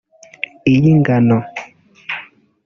iy’ingano